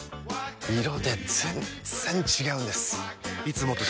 色で全然違うんです！